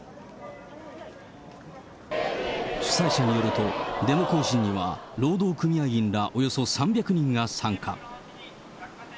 主催者によると、デモ行進には労働組合員らおよそ３００人が参加。